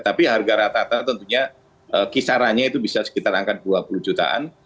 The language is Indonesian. tapi harga rata rata tentunya kisarannya itu bisa sekitar angka dua puluh jutaan